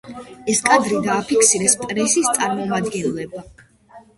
ეს კადრი დააფიქსირეს პრესის წარმომადგენლება.